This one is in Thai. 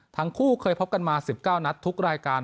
ทั้งคู่เคยพบกันมา๑๙นัดทุกรายการ